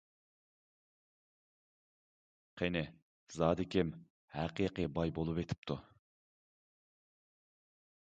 قېنى، زادى كىم ھەقىقىي باي بولۇۋېتىپتۇ؟ !